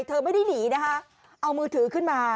เธอไม่ได้หนีนะคะเอามือถือขึ้นมา